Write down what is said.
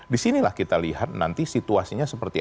di sinilah kita lihat nanti situasinya seperti